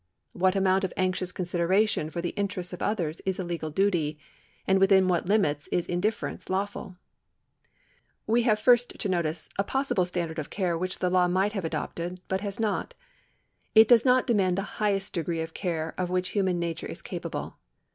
What amount of anxious consideration for the interests of others is a legal duty, and within what limits is indifference lawful ? We have first to notice a possible standard of care which tlie law might have adopted but has not. It does not de mand the highest degree of care of which human nature is capable.